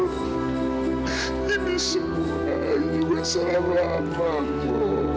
ini semua ibu selama mama bu